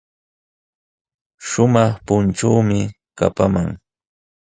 Shumaq punchuumi kapaman.